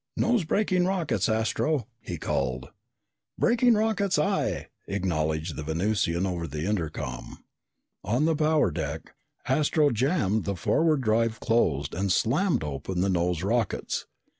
"Nose braking rockets, Astro!" he called. "Braking rockets, aye!" acknowledged the Venusian over the intercom. On the power deck, Astro jammed the forward drive closed and slammed open the nose rockets.